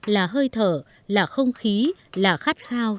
là hơi thở là không khí là khát khao